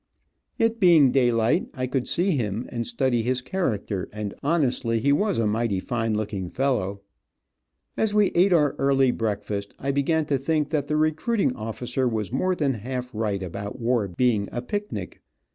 It being daylight, I could see him, and study his character, and honestly he was a mighty fine looking fellow. As we eat our early breakfast I began to think that the recruiting officer was more than half right about war being a picnic.